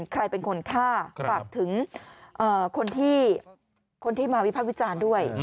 ใครเป็นคนฆ่าฝากถึงคนที่มาวิพากษ์วิจารณ์ด้วย